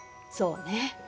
そうね。